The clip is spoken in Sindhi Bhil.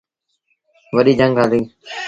وڏيٚ جھنگ هليٚ۔